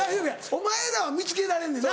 お前らは見つけられんねんな。